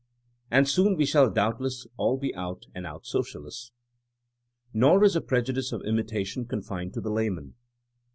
'' And soon we shall doubtless all be out and out socialists. Nor is the prejudice of imitation confined to the layman.